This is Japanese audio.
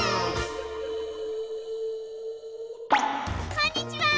こんにちは！